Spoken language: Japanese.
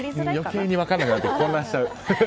余計に分からなくなって混乱しちゃう。